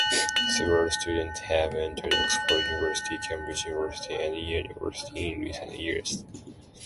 Several students have entered Oxford University, Cambridge University and Yale University in recent years.